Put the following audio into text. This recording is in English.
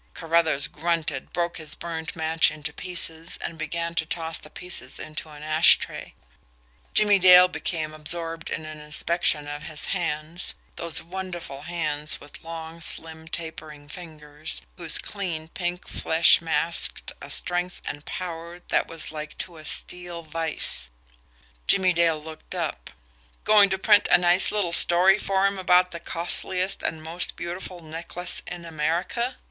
Carruthers grunted, broke his burned match into pieces, and began to toss the pieces into an ash tray. Jimmie Dale became absorbed in an inspection of his hands those wonderful hands with long, slim, tapering fingers, whose clean, pink flesh masked a strength and power that was like to a steel vise. Jimmie Dale looked up. "Going to print a nice little story for him about the 'costliest and most beautiful necklace in America'?"